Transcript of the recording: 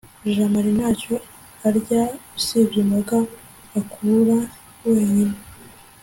jamali ntacyo arya usibye imboga akura wenyine